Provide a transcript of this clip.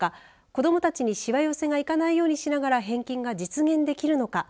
子どもたちに、しわ寄せがいかないようにしながら返金が実現できるのか。